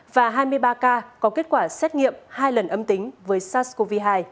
và hai mươi ba ca có kết quả xét nghiệm hai lần âm tính với sars cov hai